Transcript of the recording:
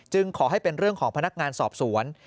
ขอให้เป็นเรื่องของพนักงานสอบสวน